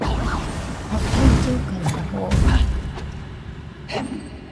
Aullogaɨmo joone.